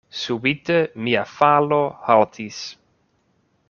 Subite mia falo haltis.